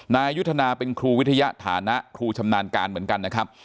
นายยุทธนาเป็นครูวิทยาฐานะครูชำนาญการเหมือนกันนะครับ